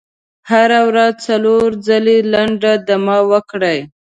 هره ورځ څلور ځلې لنډه دمه وکړئ.